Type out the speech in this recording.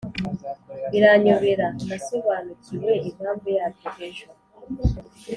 biranyobera nasobanukiwe impamvu yabyo ejo